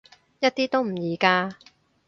一啲都唔易㗎